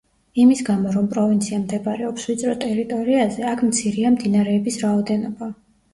იმის გამო, რომ პროვინცია მდებარეობს ვიწრო ტერიტორიაზე აქ მცირეა მდინარეების რაოდენობა.